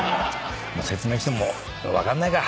まあ説明しても分かんないか。